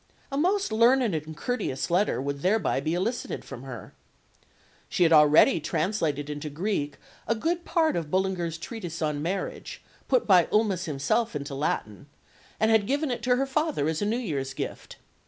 A most learned and courteous letter would thereby be elicited from her. She had already translated into Greek a good part of Bullinger's treatise on marriage, put by Ulmis himself into Latin, and had given it to her father as a New Year's gift.